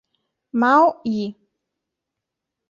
Mao Yi